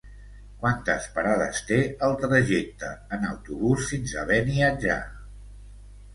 Quantes parades té el trajecte en autobús fins a Beniatjar?